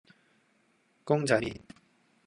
公仔麪